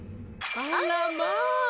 あらま。